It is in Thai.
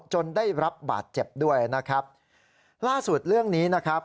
จนได้รับบาดเจ็บด้วยนะครับล่าสุดเรื่องนี้นะครับ